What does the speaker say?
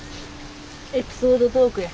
エピソードトークや。